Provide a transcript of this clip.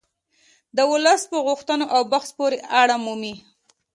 د ولس په غوښتنو او بحث پورې اړه مومي